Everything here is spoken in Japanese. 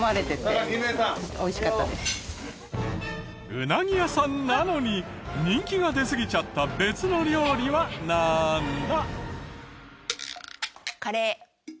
ウナギ屋さんなのに人気が出すぎちゃった別の料理はなんだ？